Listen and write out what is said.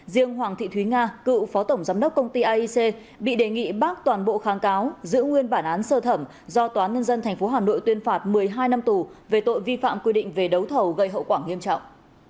riêng hoàng thị thúy nga cựu phó tổng giám đốc công ty aic bị đề nghị bác toàn bộ kháng cáo giữ nguyên bản án sơ thẩm do tòa nhân dân tp hà nội tuyên phạt một mươi hai năm tù về tội vi phạm quy định về đấu thầu gây hậu quả nghiêm trọng